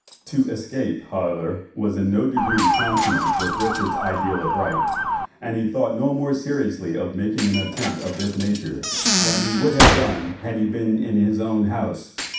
To escape, however, was in no degree consonant with Richard's idea of right; and he thought no more seriously of making an attempt of this nature, than he would have done had he been in his own house.